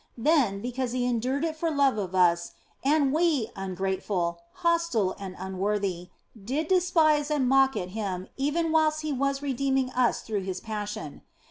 Then, because He endured it for love of us, and we, ungrateful, hostile, and unworthy, did despise and mock at Him even whilst He was redeeming us through His Passion.